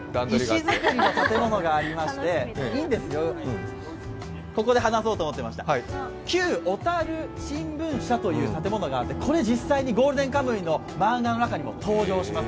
石造りの建物がありまして、旧小樽新聞社という建物があってこれが実際に「ゴールデンカムイ」の漫画の中にも登場します。